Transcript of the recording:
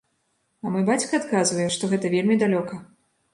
А мой бацька адказвае, што гэта вельмі далёка.